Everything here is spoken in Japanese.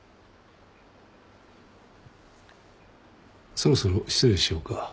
そろそろ失礼しようか。